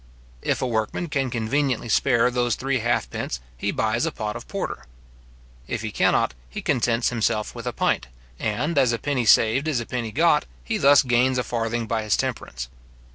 If a workman can conveniently spare those three halfpence, he buys a pot of porter. If he cannot, he contents himself with a pint; and, as a penny saved is a penny got, he thus gains a farthing by his temperance.